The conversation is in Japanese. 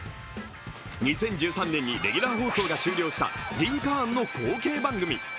２０１３年にレギュラー放送が終了した「リンカーン」の後継番組。